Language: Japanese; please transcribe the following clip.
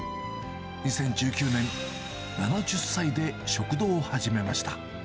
２０１９年、７０歳で食堂を始めました。